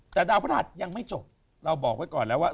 แต่ดาวพระหัสยังไม่จบเราบอกไว้ก่อนแล้วว่า